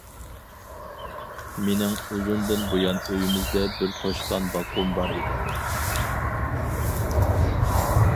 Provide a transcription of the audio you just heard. مېنىڭ ئۇزۇندىن بۇيان ئۆيىمىزدە بىر توشقان باققۇم بار ئىدى.